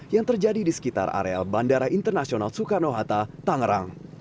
yang terjadi di sekitar areal bandara internasional soekarno hatta tangerang